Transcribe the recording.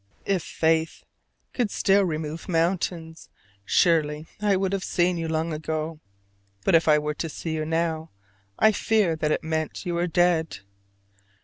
If faith could still remove mountains, surely I should have seen you long ago. But if I were to see you now, I should fear that it meant you were dead.